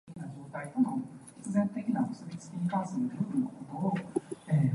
路上行人欲斷魂